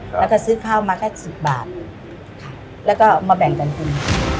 แล้วก็ซื้อข้าวมาแค่๑๐บาทแล้วก็มาแบ่งกันกิน